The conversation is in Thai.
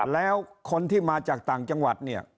แล้วคนที่มาจากต่างจังหวัดเนี่ย